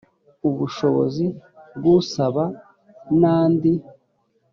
ubushobozi bw usaba n andi